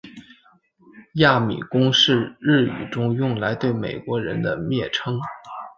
亚米公是日语中用来对美国人的蔑称。